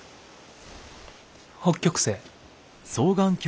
北極星。